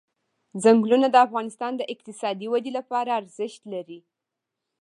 چنګلونه د افغانستان د اقتصادي ودې لپاره ارزښت لري.